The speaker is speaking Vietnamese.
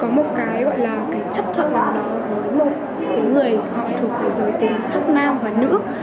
có một cái gọi là cái chấp thuận nào đó với một cái người họ thuộc cái giới tính khác nam và nữ